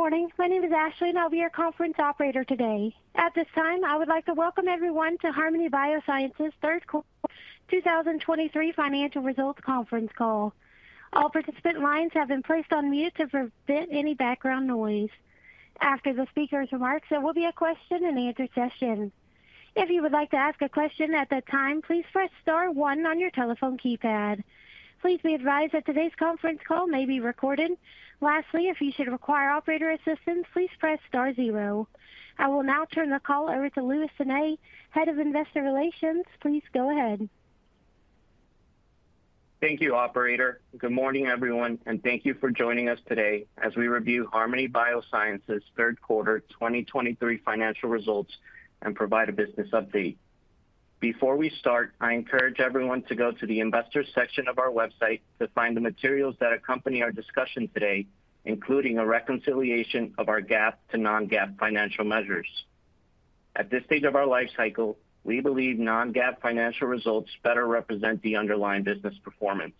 Good morning. My name is Ashley, and I'll be your conference operator today. At this time, I would like to welcome everyone to Harmony Biosciences Q3 2023 Financial Results Conference Call. All participant lines have been placed on mute to prevent any background noise. After the speaker's remarks, there will be a question and answer session. If you would like to ask a question at that time, please press star one on your telephone keypad. Please be advised that today's conference call may be recorded. Lastly, if you should require operator assistance, please press star zero. I will now turn the call over to Luis Sanay, Head of Investor Relations. Please go ahead. Thank you, operator. Good morning, everyone, and thank you for joining us today as we review Harmony Biosciences' Q3 2023 financial results and provide a business update. Before we start, I encourage everyone to go to the Investors section of our website to find the materials that accompany our discussion today, including a reconciliation of our GAAP to non-GAAP financial measures. At this stage of our life cycle, we believe non-GAAP financial results better represent the underlying business performance.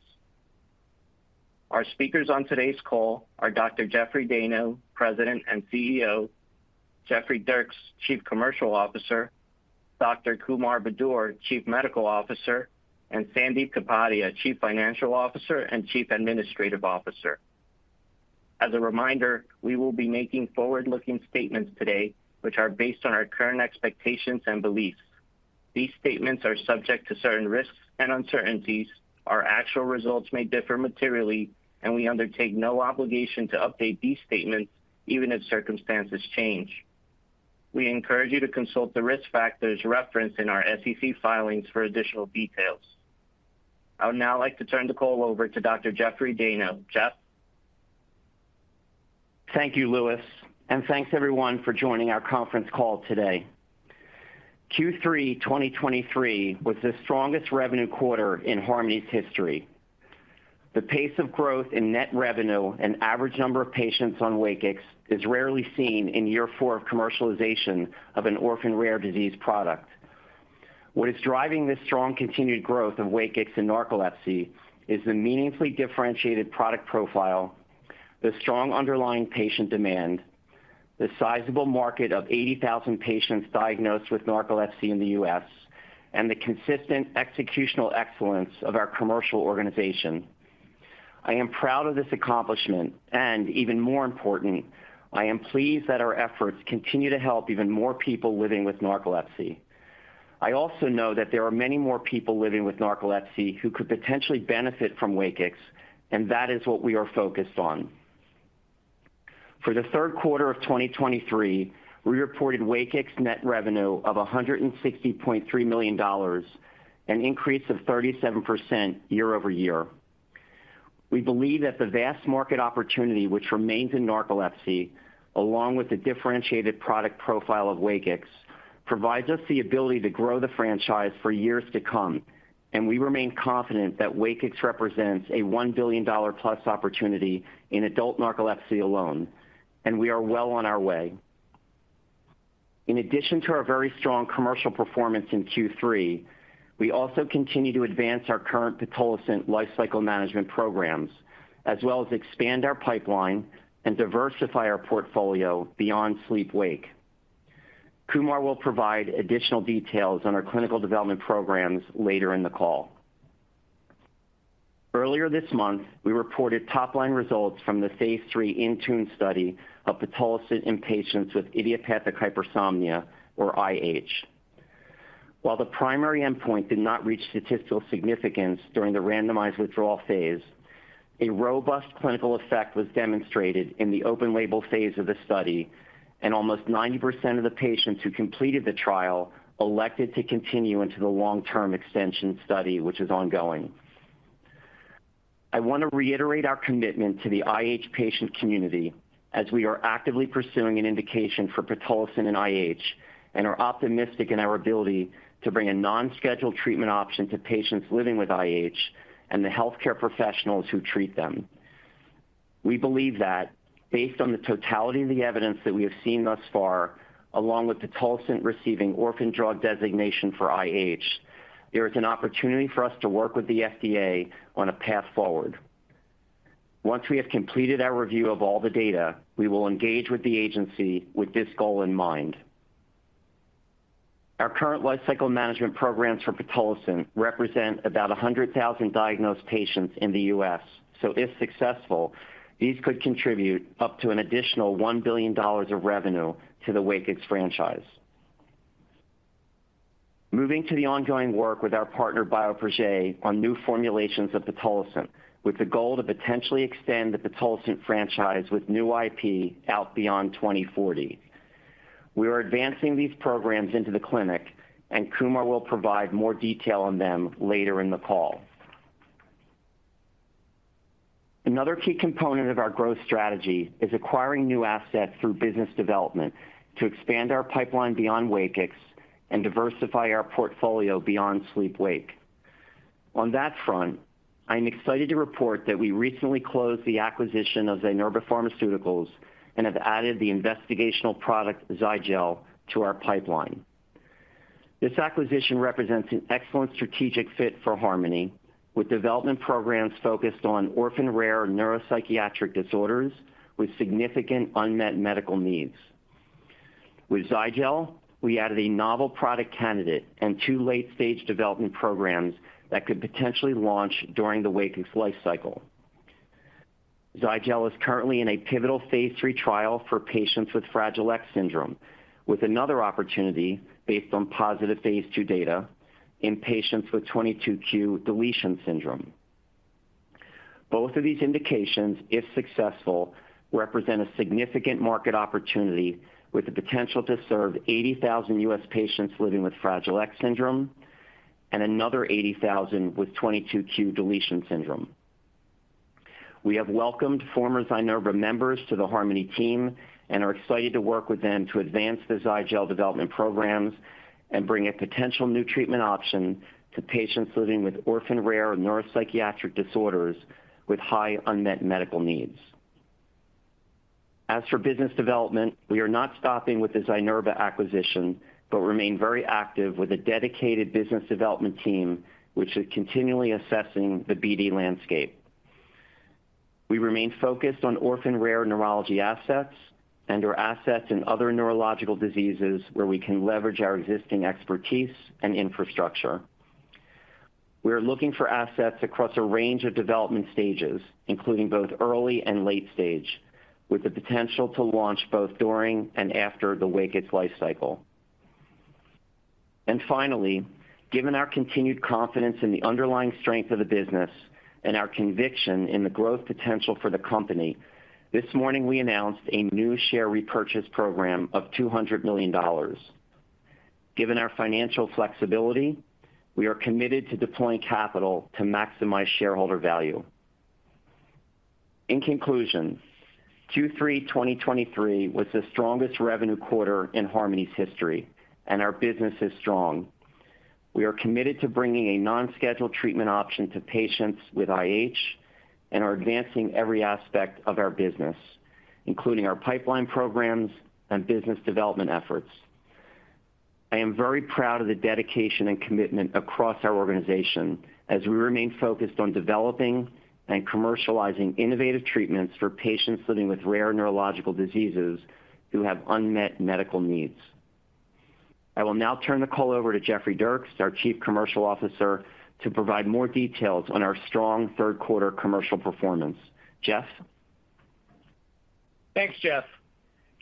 Our speakers on today's call are Dr. Jeffrey Dayno, President and CEO, Jeffrey Dierks, Chief Commercial Officer, Dr. Kumar Budur, Chief Medical Officer, and Sandip Kapadia, Chief Financial Officer and Chief Administrative Officer. As a reminder, we will be making forward-looking statements today, which are based on our current expectations and beliefs. These statements are subject to certain risks and uncertainties. Our actual results may differ materially, and we undertake no obligation to update these statements even if circumstances change. We encourage you to consult the risk factors referenced in our SEC filings for additional details. I would now like to turn the call over to Dr. Jeffrey Dayno. Jeff? Thank you, Luis, and thanks everyone for joining our conference call today. Q3 2023 was the strongest revenue quarter in Harmony's history. The pace of growth in net revenue and average number of patients on WAKIX is rarely seen in year 4 of commercialization of an orphan rare disease product. What is driving this strong continued growth of WAKIX and narcolepsy is the meaningfully differentiated product profile, the strong underlying patient demand, the sizable market of 80,000 patients diagnosed with narcolepsy in the U.S., and the consistent executional excellence of our commercial organization. I am proud of this accomplishment, and even more important, I am pleased that our efforts continue to help even more people living with narcolepsy. I also know that there are many more people living with narcolepsy who could potentially benefit from WAKIX, and that is what we are focused on. For the Q3 of 2023, we reported WAKIX net revenue of $160.3 million, an increase of 37% year-over-year. We believe that the vast market opportunity, which remains in narcolepsy, along with the differentiated product profile of WAKIX, provides us the ability to grow the franchise for years to come, and we remain confident that WAKIX represents a $1 billion plus opportunity in adult narcolepsy alone, and we are well on our way. In addition to our very strong commercial performance in Q3, we also continue to advance our current pitolisant lifecycle management programs, as well as expand our pipeline and diversify our portfolio beyond sleep-wake. Kumar will provide additional details on our clinical development programs later in the call. Earlier this month, we reported top-line results from the phase III INTUNE study of pitolisant in patients with idiopathic hypersomnia or IH. While the primary endpoint did not reach statistical significance during the randomized withdrawal phase, a robust clinical effect was demonstrated in the open label phase of the study, and almost 90% of the patients who completed the trial elected to continue into the long-term extension study, which is ongoing. I want to reiterate our commitment to the IH patient community as we are actively pursuing an indication for pitolisant in IH and are optimistic in our ability to bring a non-scheduled treatment option to patients living with IH and the healthcare professionals who treat them. We believe that based on the totality of the evidence that we have seen thus far, along with pitolisant receiving Orphan Drug Designation for IH, there is an opportunity for us to work with the FDA on a path forward. Once we have completed our review of all the data, we will engage with the agency with this goal in mind. Our current lifecycle management programs for pitolisant represent about 100,000 diagnosed patients in the U.S. So if successful, these could contribute up to an additional $1 billion of revenue to the WAKIX franchise. Moving to the ongoing work with our partner, Bioprojet, on new formulations of pitolisant, with the goal to potentially extend the pitolisant franchise with new IP out beyond 2040. We are advancing these programs into the clinic, and Kumar will provide more detail on them later in the call. Another key component of our growth strategy is acquiring new assets through business development to expand our pipeline beyond WAKIX and diversify our portfolio beyond sleep-wake. On that front, I'm excited to report that we recently closed the acquisition of Zynerba Pharmaceuticals and have added the investigational product, Zygel, to our pipeline. This acquisition represents an excellent strategic fit for Harmony, with development programs focused on orphan rare neuropsychiatric disorders with significant unmet medical needs. With Zygel, we added a novel product candidate and two late-stage development programs that could potentially launch during the WAKIX lifecycle. Zygel is currently in a pivotal phase III trial for patients with Fragile X syndrome, with another opportunity based on positive phase II data in patients with 22q deletion syndrome. Both of these indications, if successful, represent a significant market opportunity with the potential to serve 80,000 U.S. patients living with Fragile X syndrome and another 80,000 with 22q deletion syndrome. We have welcomed former Zynerba members to the Harmony team and are excited to work with them to advance the Zygel development programs and bring a potential new treatment option to patients living with orphan rare neuropsychiatric disorders with high unmet medical needs. As for business development, we are not stopping with the Zynerba acquisition, but remain very active with a dedicated business development team, which is continually assessing the BD landscape. We remain focused on orphan rare neurology assets and/or assets in other neurological diseases where we can leverage our existing expertise and infrastructure. We are looking for assets across a range of development stages, including both early and late stage, with the potential to launch both during and after the WAKIX lifecycle. Finally, given our continued confidence in the underlying strength of the business and our conviction in the growth potential for the company, this morning we announced a new share repurchase program of $200 million. Given our financial flexibility, we are committed to deploying capital to maximize shareholder value. In conclusion, Q3 2023 was the strongest revenue quarter in Harmony's history, and our business is strong. We are committed to bringing a non-scheduled treatment option to patients with IH and are advancing every aspect of our business, including our pipeline programs and business development efforts. I am very proud of the dedication and commitment across our organization as we remain focused on developing and commercializing innovative treatments for patients living with rare neurological diseases who have unmet medical needs. I will now turn the call over to Jeffrey Dierks, our Chief Commercial Officer, to provide more details on our strong Q3 commercial performance. Jeff? Thanks, Jeff.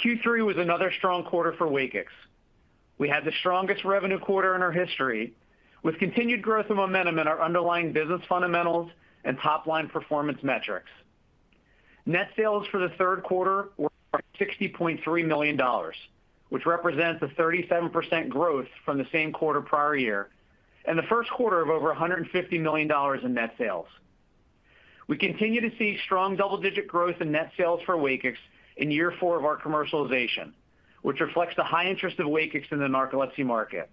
Q3 was another strong quarter for WAKIX. We had the strongest revenue quarter in our history, with continued growth and momentum in our underlying business fundamentals and top-line performance metrics. Net sales for the Q3 were $60.3 million, which represents a 37% growth from the same quarter prior year and the Q1 of over $150 million in net sales. We continue to see strong double-digit growth in net sales for WAKIX in year 4 of our commercialization, which reflects the high interest of WAKIX in the narcolepsy market.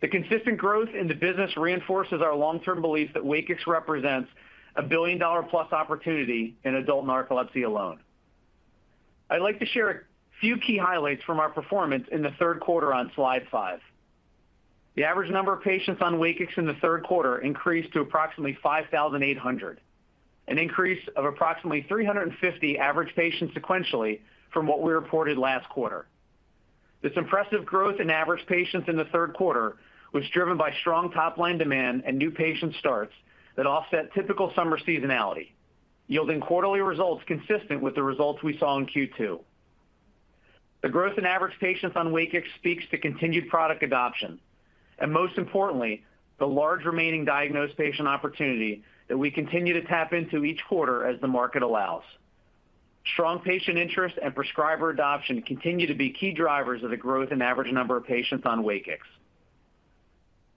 The consistent growth in the business reinforces our long-term belief that WAKIX represents a billion-dollar-plus opportunity in adult narcolepsy alone. I'd like to share a few key highlights from our performance in the Q3 on slide 5. The average number of patients on WAKIX in the Q3 increased to approximately 5,800, an increase of approximately 350 average patients sequentially from what we reported last quarter. This impressive growth in average patients in the Q3 was driven by strong top-line demand and new patient starts that offset typical summer seasonality, yielding quarterly results consistent with the results we saw in Q2. The growth in average patients on WAKIX speaks to continued product adoption, and most importantly, the large remaining diagnosed patient opportunity that we continue to tap into each quarter as the market allows. Strong patient interest and prescriber adoption continue to be key drivers of the growth in average number of patients on WAKIX.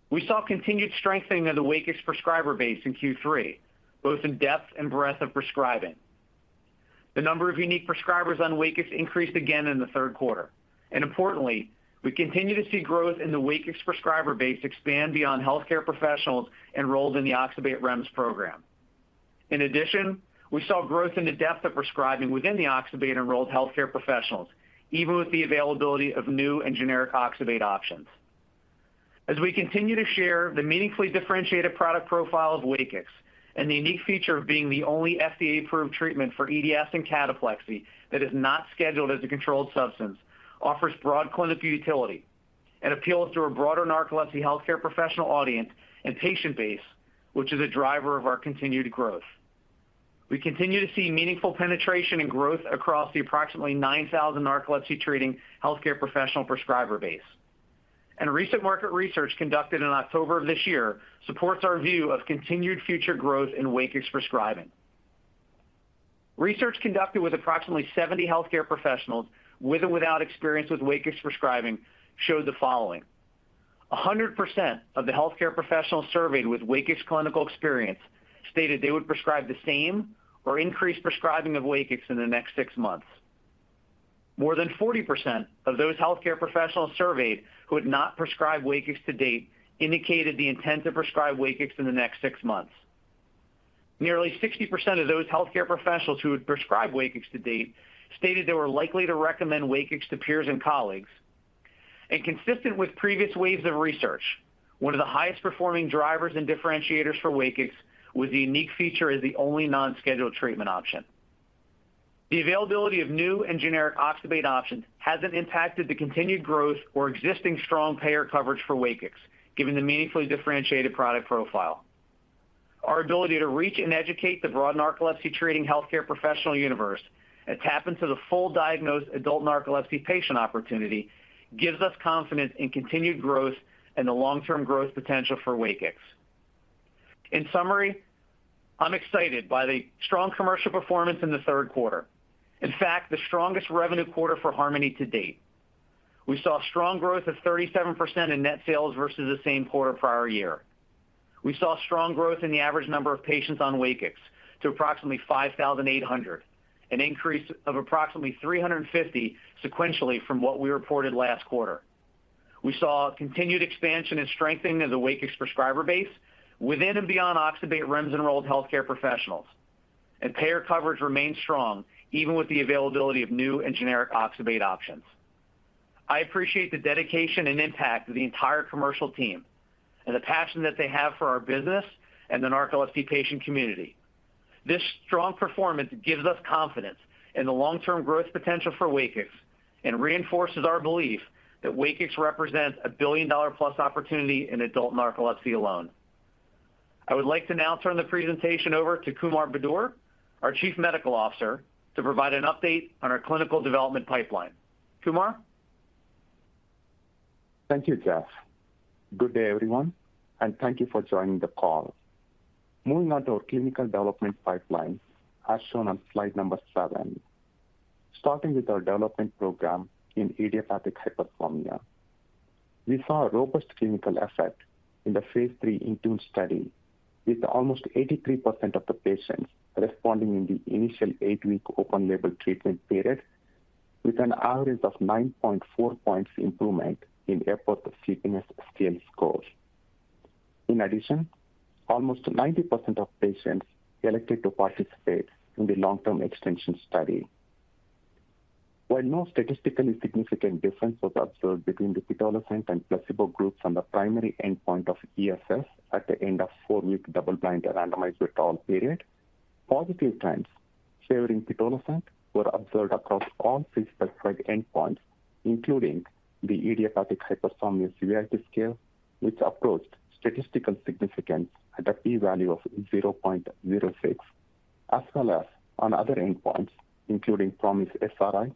We saw continued strengthening of the WAKIX prescriber base in Q3, both in depth and breadth of prescribing. The number of unique prescribers on WAKIX increased again in the Q3, and importantly, we continue to see growth in the WAKIX prescriber base expand beyond healthcare professionals enrolled in the Oxybate REMS program. In addition, we saw growth in the depth of prescribing within the oxybate-enrolled healthcare professionals, even with the availability of new and generic oxybate options. As we continue to share, the meaningfully differentiated product profile of WAKIX and the unique feature of being the only FDA-approved treatment for EDS and cataplexy that is not scheduled as a controlled substance, offers broad clinical utility and appeals to a broader narcolepsy healthcare professional audience and patient base, which is a driver of our continued growth. We continue to see meaningful penetration and growth across the approximately 9,000 narcolepsy-treating healthcare professional prescriber base. Recent market research conducted in October of this year supports our view of continued future growth in WAKIX prescribing. Research conducted with approximately 70 healthcare professionals with or without experience with WAKIX prescribing showed the following: 100% of the healthcare professionals surveyed with WAKIX clinical experience stated they would prescribe the same or increase prescribing of WAKIX in the next six months. More than 40% of those healthcare professionals surveyed who had not prescribed WAKIX to date indicated the intent to prescribe WAKIX in the next six months. Nearly 60% of those healthcare professionals who had prescribed WAKIX to date stated they were likely to recommend WAKIX to peers and colleagues. Consistent with previous waves of research, one of the highest performing drivers and differentiators for WAKIX was the unique feature as the only non-scheduled treatment option. The availability of new and generic oxybate options hasn't impacted the continued growth or existing strong payer coverage for WAKIX, given the meaningfully differentiated product profile. Our ability to reach and educate the broad narcolepsy treating healthcare professional universe and tap into the full diagnosed adult narcolepsy patient opportunity, gives us confidence in continued growth and the long-term growth potential for WAKIX. In summary, I'm excited by the strong commercial performance in the Q3. In fact, the strongest revenue quarter for Harmony to date. We saw strong growth of 37% in net sales versus the same quarter prior year. We saw strong growth in the average number of patients on WAKIX to approximately 5,800, an increase of approximately 350 sequentially from what we reported last quarter. We saw continued expansion and strengthening of the WAKIX prescriber base within and beyond oxybate REMS-enrolled healthcare professionals. Payer coverage remains strong, even with the availability of new and generic oxybate options. I appreciate the dedication and impact of the entire commercial team, and the passion that they have for our business and the narcolepsy patient community. This strong performance gives us confidence in the long-term growth potential for WAKIX and reinforces our belief that WAKIX represents a billion-dollar-plus opportunity in adult narcolepsy alone. I would like to now turn the presentation over to Kumar Budur, our Chief Medical Officer, to provide an update on our clinical development pipeline. Kumar? Thank you, Jeff. Good day, everyone, and thank you for joining the call. Moving on to our clinical development pipeline, as shown on slide number 7. Starting with our development program in idiopathic hypersomnia. We saw a robust clinical effect in the phase III INTUNE study, with almost 83% of the patients responding in the initial 8-week open label treatment period, with an average of 9.4 points improvement in Epworth Sleepiness Scale scores. In addition, almost 90% of patients elected to participate in the long-term extension study. While no statistically significant difference was observed between the pitolisant and placebo groups on the primary endpoint of ESS at the end of four-week double-blind randomized withdrawal period, positive trends favoring pitolisant were observed across all pre-specified endpoints, including the idiopathic hypersomnia Severity Scale, which approached statistical significance at a P value of 0.06, as well as on other endpoints, including PROMIS-SRI,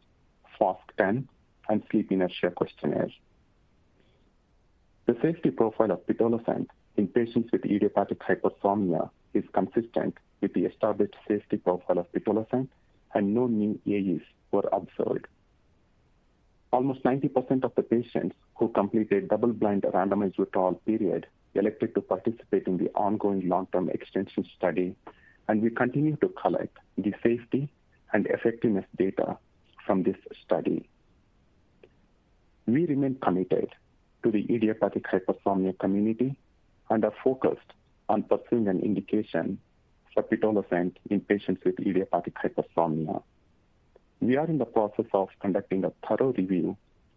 FOSQ and Sleep Inertia Questionnaire. The safety profile of pitolisant in patients with idiopathic hypersomnia is consistent with the established safety profile of pitolisant, and no new AEs were observed. Almost 90% of the patients who completed double-blind randomized withdrawal period elected to participate in the ongoing long-term extension study, and we continue to collect the safety and effectiveness data from this study. We remain committed to the idiopathic hypersomnia community and are focused on pursuing an indication for pitolisant in patients with idiopathic hypersomnia. We are in the process of conducting a thorough review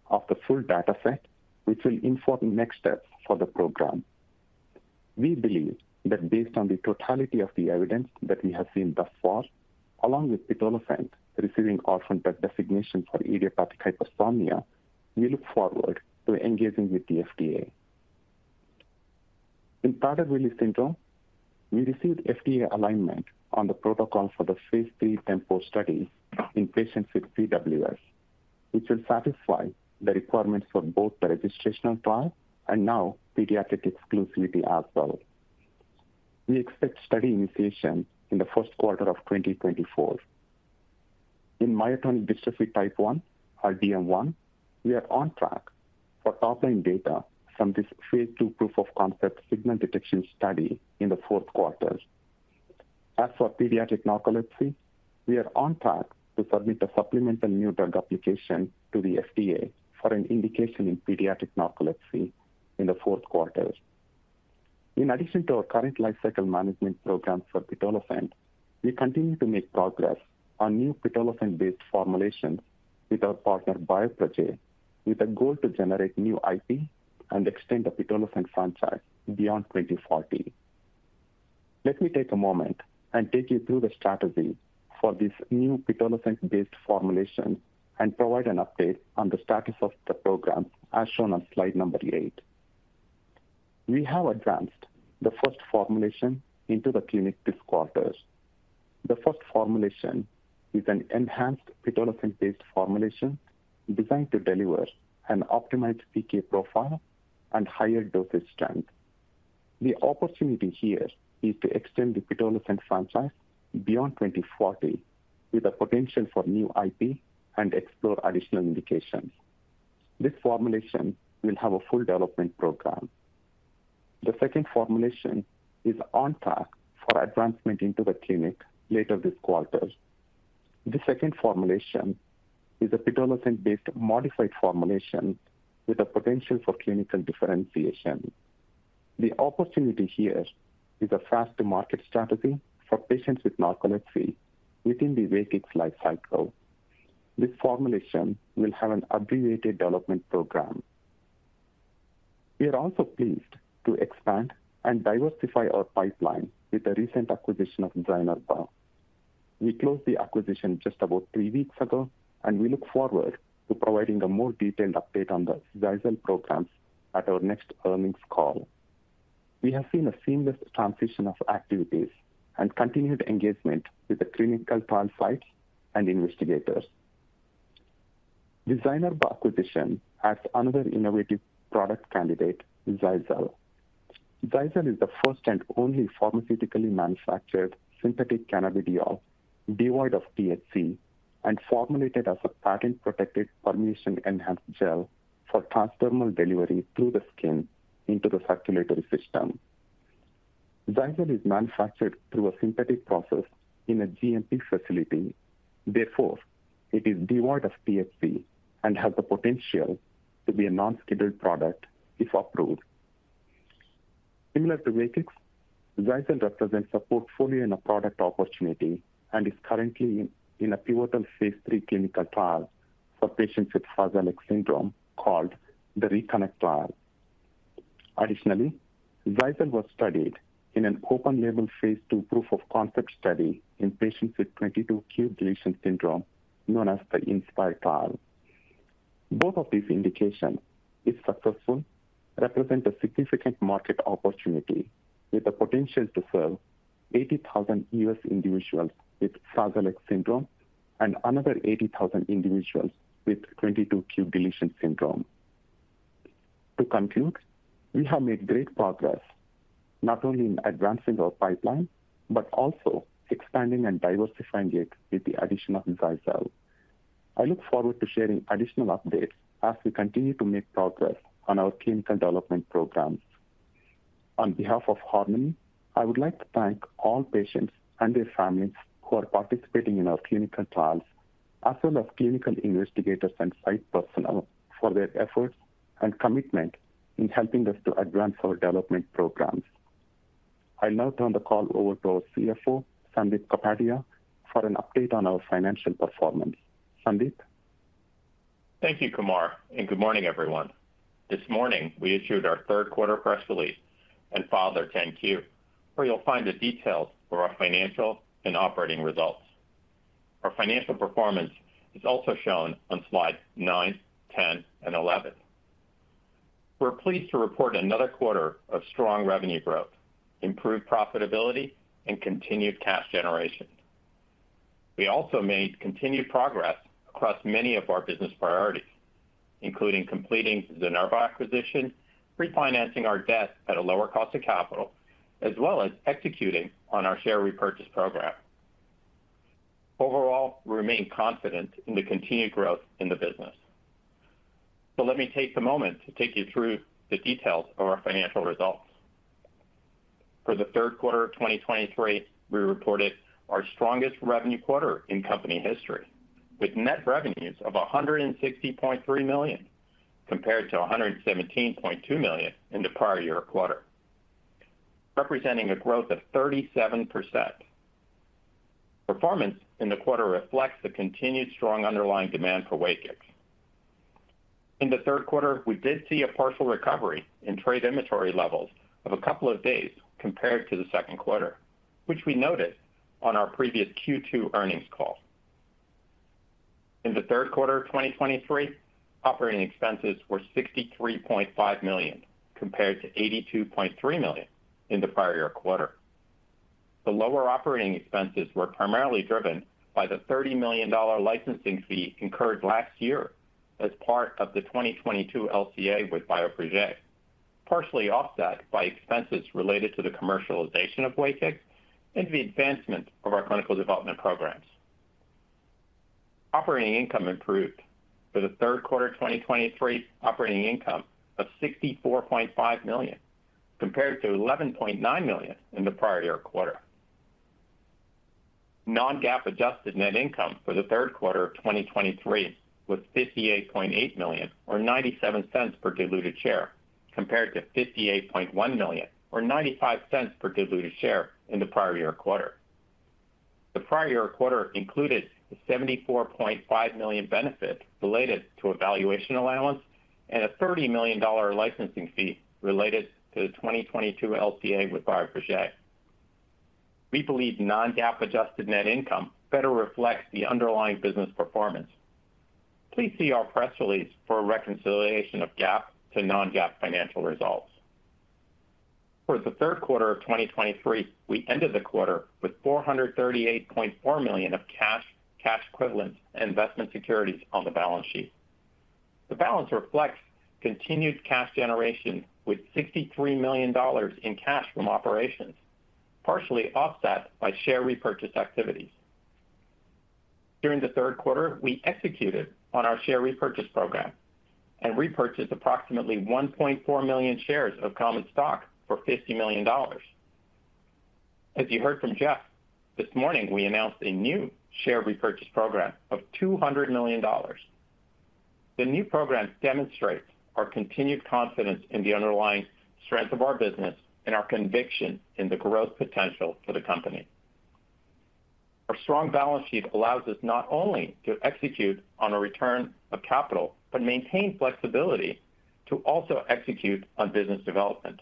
of the full data set, which will inform next steps for the program. We believe that based on the totality of the evidence that we have seen thus far, along with pitolisant receiving Orphan Drug Designation for idiopathic hypersomnia, we look forward to engaging with the FDA. In Prader-Willi syndrome, we received FDA alignment on the protocol for the phase III TEMPO Study in patients with PWS, which will satisfy the requirements for both the registrational trial and now pediatric exclusivity as well. We expect study initiation in the Q1 of 2024. In myotonic dystrophy type 1 or DM1, we are on track for top-line data from this phase II proof of concept signal detection study in the fourth quarter. As for pediatric narcolepsy, we are on track to submit a supplemental new drug application to the FDA for an indication in pediatric narcolepsy in the fourth quarter. In addition to our current lifecycle management program for pitolisant, we continue to make progress on new pitolisant-based formulations with our partner, Bioprojet, with a goal to generate new IP and extend the pitolisant franchise beyond 2040. Let me take a moment and take you through the strategy for this new pitolisant-based formulation and provide an update on the status of the program, as shown on slide 8. We have advanced the first formulation into the clinic this quarter. The first formulation is an enhanced pitolisant-based formulation designed to deliver an optimized PK profile and higher dosage strength. The opportunity here is to extend the pitolisant franchise beyond 2040, with a potential for new IP and explore additional indications. This formulation will have a full development program. The second formulation is a pitolisant-based modified formulation with a potential for clinical differentiation. The opportunity here is a fast-to-market strategy for patients with narcolepsy within the WAKIX life cycle. This formulation will have an abbreviated development program. We are also pleased to expand and diversify our pipeline with the recent acquisition of Zynerba. We closed the acquisition just about three weeks ago, and we look forward to providing a more detailed update on the Zygel programs at our next earnings call. We have seen a seamless transition of activities and continued engagement with the clinical trial sites and investigators. The Zynerba acquisition adds another innovative product candidate, Zygel. Zygel is the first and only pharmaceutically manufactured synthetic cannabidiol, devoid of THC, and formulated as a patent-protected formulation-enhanced gel for transdermal delivery through the skin into the circulatory system. Zygel is manufactured through a synthetic process in a GMP facility. Therefore, it is devoid of THC and has the potential to be a non-scheduled product if approved. Similar to WAKIX, Zygel represents a portfolio and a product opportunity and is currently in a pivotal phase III clinical trial for patients with Fragile X syndrome, called the RECONNECT trial. Additionally, Zygel was studied in an open-label phase II proof of concept study in patients with 22q deletion syndrome, known as the INSPIRE trial. Both of these indications, if successful, represent a significant market opportunity with the potential to serve 80,000 U.S. individuals with Fragile X syndrome and another 80,000 individuals with 22q deletion syndrome. To conclude, we have made great progress, not only in advancing our pipeline, but also expanding and diversifying it with the addition of Zygel. I look forward to sharing additional updates as we continue to make progress on our clinical development programs. On behalf of Harmony, I would like to thank all patients and their families who are participating in our clinical trials, as well as clinical investigators and site personnel for their efforts and commitment in helping us to advance our development programs. I'll now turn the call over to our CFO, Sandip Kapadia, for an update on our financial performance. Sandip? Thank you, Kumar, and good morning, everyone. This morning, we issued our Q3 press release and filed our 10-Q, where you'll find the details for our financial and operating results. Our financial performance is also shown on slides 9, 10, and 11. We're pleased to report another quarter of strong revenue growth, improved profitability, and continued cash generation. We also made continued progress across many of our business priorities, including completing the Zynerba acquisition, refinancing our debt at a lower cost of capital, as well as executing on our share repurchase program. Overall, we remain confident in the continued growth in the business. So let me take a moment to take you through the details of our financial results. For the Q3 of 2023, we reported our strongest revenue quarter in company history, with net revenues of $160.3 million, compared to $117.2 million in the prior year quarter, representing a growth of 37%. Performance in the quarter reflects the continued strong underlying demand for WAKIX. In the Q3, we did see a partial recovery in trade inventory levels of a couple of days compared to the Q2, which we noted on our previous Q2 earnings call. In the Q3 of 2023, operating expenses were $63.5 million, compared to $82.3 million in the prior year quarter. The lower operating expenses were primarily driven by the $30 million licensing fee incurred last year as part of the 2022 LCA with Bioprojet, partially offset by expenses related to the commercialization of WAKIX and the advancement of our clinical development programs. Operating income improved for the Q3 of 2023, operating income of $64.5 million, compared to $11.9 million in the prior year quarter. Non-GAAP adjusted net income for the Q3 of 2023 was $58.8 million, or $0.97 per diluted share, compared to $58.1 million, or $0.95 per diluted share in the prior year quarter. The prior year quarter included a $74.5 million benefit related to a valuation allowance and a $30 million licensing fee related to the 2022 LCA with Bioprojet. We believe non-GAAP adjusted net income better reflects the underlying business performance. Please see our press release for a reconciliation of GAAP to non-GAAP financial results. For the Q3 of 2023, we ended the quarter with $438.4 million of cash, cash equivalents, and investment securities on the balance sheet. The balance reflects continued cash generation, with $63 million in cash from operations, partially offset by share repurchase activities. During the Q3, we executed on our share repurchase program and repurchased approximately 1.4 million shares of common stock for $50 million. As you heard from Jeff this morning, we announced a new share repurchase program of $200 million. The new program demonstrates our continued confidence in the underlying strength of our business and our conviction in the growth potential for the company. Our strong balance sheet allows us not only to execute on a return of capital, but maintain flexibility to also execute on business development.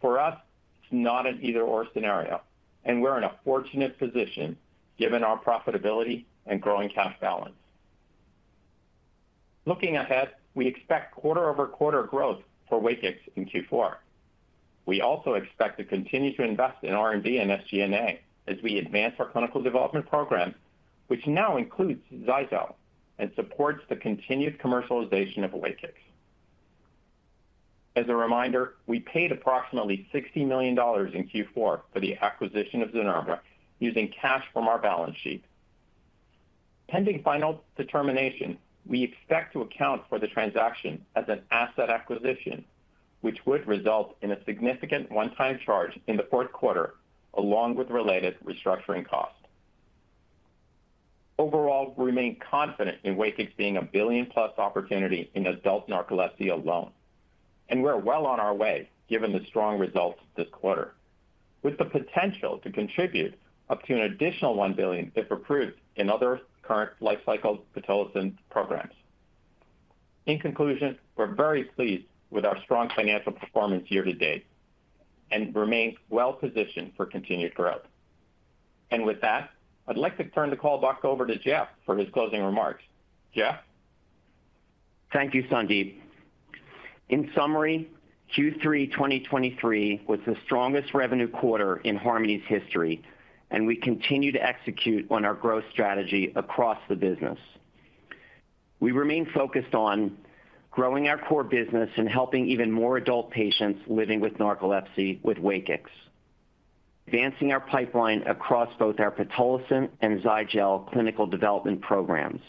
For us, it's not an either/or scenario, and we're in a fortunate position given our profitability and growing cash balance. Looking ahead, we expect quarter-over-quarter growth for WAKIX in Q4. We also expect to continue to invest in R&D and SG&A as we advance our clinical development program, which now includes Zygel and supports the continued commercialization of WAKIX. As a reminder, we paid approximately $60 million in Q4 for the acquisition of Zynerba, using cash from our balance sheet. Pending final determination, we expect to account for the transaction as an asset acquisition, which would result in a significant one-time charge in the fourth quarter, along with related restructuring costs. Overall, we remain confident in WAKIX being a $1 billion-plus opportunity in adult narcolepsy alone, and we're well on our way, given the strong results this quarter, with the potential to contribute up to an additional $1 billion, if approved, in other current lifecycle pitolisant programs. In conclusion, we're very pleased with our strong financial performance year-to-date and remain well positioned for continued growth. With that, I'd like to turn the call back over to Jeff for his closing remarks. Jeff? Thank you, Sandip. In summary, Q3 2023 was the strongest revenue quarter in Harmony's history, and we continue to execute on our growth strategy across the business. We remain focused on growing our core business and helping even more adult patients living with narcolepsy with WAKIX, advancing our pipeline across both our pitolisant and Zygel clinical development programs.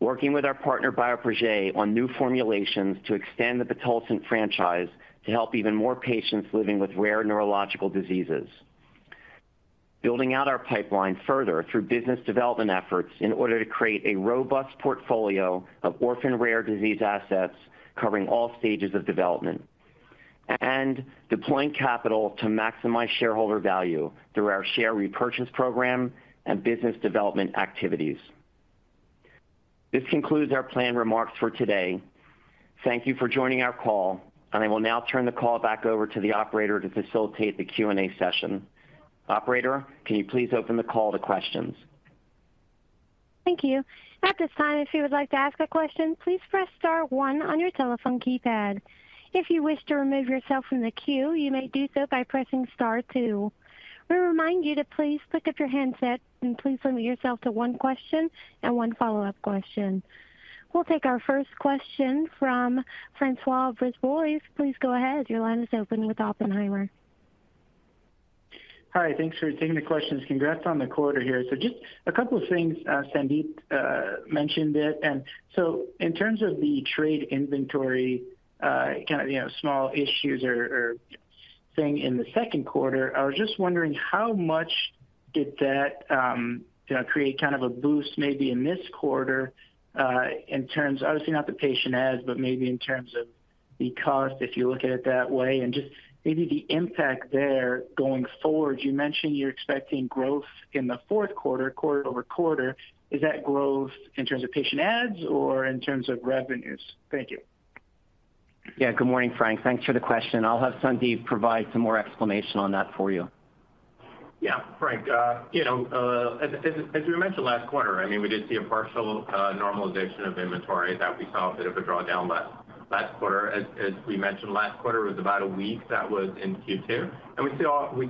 Working with our partner, Bioprojet, on new formulations to extend the pitolisant franchise to help even more patients living with rare neurological diseases. Building out our pipeline further through business development efforts in order to create a robust portfolio of orphan rare disease assets covering all stages of development, and deploying capital to maximize shareholder value through our share repurchase program and business development activities. This concludes our planned remarks for today. Thank you for joining our call, and I will now turn the call back over to the operator to facilitate the Q&A session. Operator, can you please open the call to questions? Thank you. At this time, if you would like to ask a question, please press star one on your telephone keypad. If you wish to remove yourself from the queue, you may do so by pressing star two. We remind you to please pick up your handset and please limit yourself to one question and one follow-up question. We'll take our first question from François Brisebois. Please go ahead. Your line is open with Oppenheimer. Hi, thanks for taking the questions. Congrats on the quarter here. So just a couple of things, Sandip mentioned it. So in terms of the trade inventory, you know, small issues or thing in the Q2, I was just wondering how much did that, you know, create a boost maybe in this quarter, in terms—obviously, not the patient adds, but maybe in terms of the cost, if you look at it that way, and just maybe the impact there going forward. You mentioned you're expecting growth in the fourth quarter, quarter-over-quarter. Is that growth in terms of patient adds or in terms of revenues? Thank you. Yeah. Good morning, Frank. Thanks for the question. I'll have Sandip provide some more explanation on that for you. Yeah, Frank, you know, as we mentioned last quarter, I mean, we did see a partial normalization of inventory that we saw a bit of a drawdown last quarter. As we mentioned, last quarter was about a week that was in Q2, and we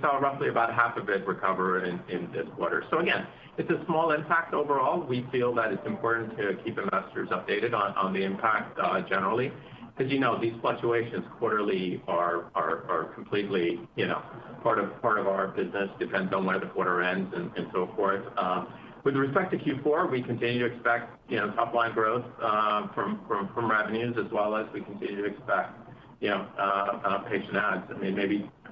saw roughly about half of it recover in this quarter. So again, it's a small impact overall. We feel that it's important to keep investors updated on the impact generally, because, you know, these fluctuations quarterly are completely, you know, part of our business, depends on where the quarter ends and so forth. With respect to Q4, we continue to expect, you know, top-line growth from revenues, as well as we continue to expect, you know, patient adds.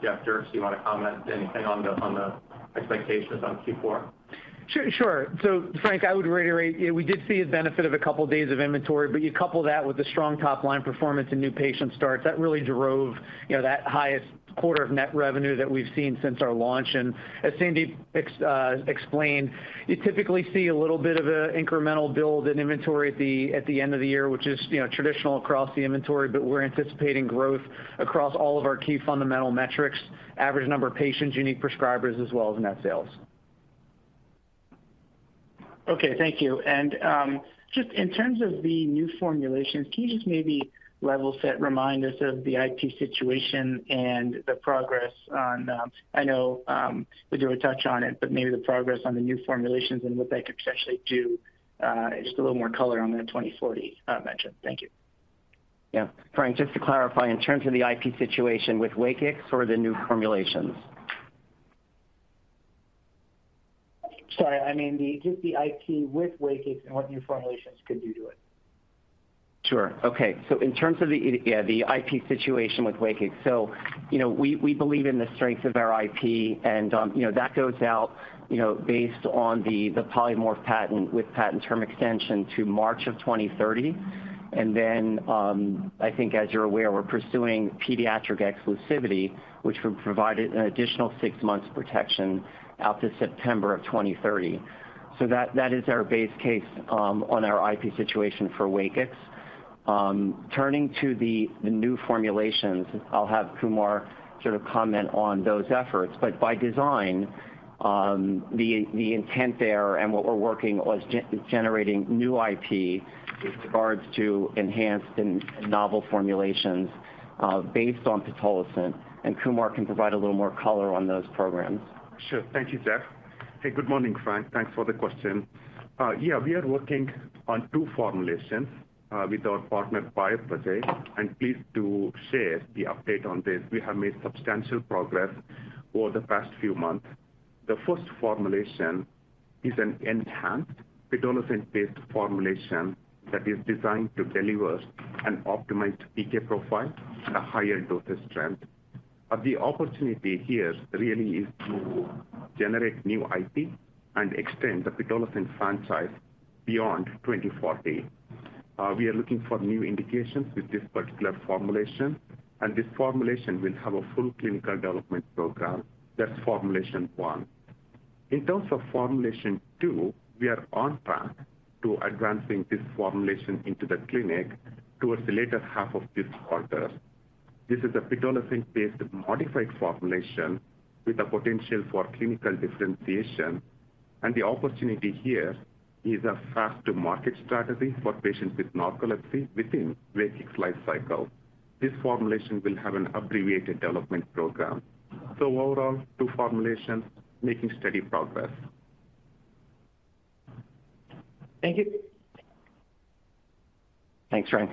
Jeff Dierks, do you want to comment anything on the expectations on Q4? Sure, sure. So Frank, I would reiterate, we did see a benefit of a couple of days of inventory, but you couple that with the strong top-line performance and new patient starts, that really drove, you know, that highest quarter of net revenue that we've seen since our launch. As Sandip explained, you typically see a little bit of an incremental build in inventory at the end of the year, which is, you know, traditional across the inventory, but we're anticipating growth across all of our key fundamental metrics, average number of patients, unique prescribers, as well as net sales. Okay, thank you. In terms of the new formulations, can you just maybe level set, remind us of the IP situation and the progress on, I know that you would touch on it, but maybe the progress on the new formulations and what they could potentially do, just a little more color on the 2040 mention. Thank you. Yeah. Frank, just to clarify, in terms of the IP situation with WAKIX or the new formulations? Sorry, I mean, just the IP with WAKIX and what new formulations could you do it? Sure. Okay. So in terms of the, yeah, the IP situation with WAKIX. So, you know, we, we believe in the strength of our IP, and, you know, that goes out, you know, based on the, the polymorph patent with patent term extension to March 2030. Then, I think as you're aware, we're pursuing pediatric exclusivity, which would provide an additional six months protection out to September 2030. So that, that is our base case, on our IP situation for WAKIX. Turning to the, the new formulations, I'll have Kumar comment on those efforts, but by design, the, the intent there and what we're working was generating new IP with regards to enhanced and novel formulations, based on pitolisant, and Kumar can provide a little more color on those programs. Sure. Thank you, Jeff. Hey, good morning, Frank. Thanks for the question. Yeah, we are working on two formulations with our partner, Bioprojet, and pleased to share the update on this. We have made substantial progress over the past few months. The first formulation is an enhanced pitolisant-based formulation that is designed to deliver an optimized PK profile, a higher dosage strength. The opportunity here really is to generate new IP and extend the pitolisant franchise beyond 2040. We are looking for new indications with this particular formulation, and this formulation will have a full clinical development program. That's formulation one. In terms of Formulation 2, we are on track to advancing this formulation into the clinic towards the latter half of this quarter. This is a pitolisant-based modified formulation with the potential for clinical differentiation, and the opportunity here is a fast-to-market strategy for patients with narcolepsy within WAKIX life cycle. This formulation will have an abbreviated development program. So overall, two formulations making steady progress. Thank you. Thanks, Frank.